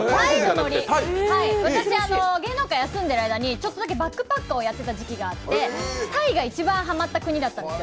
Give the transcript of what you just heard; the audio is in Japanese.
私、芸能界を休んでいる間にちょっとだけバックパックをやってる時期があってタイが一番ハマった国だったんですよ。